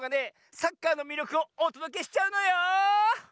サッカーのみりょくをおとどけしちゃうのよ！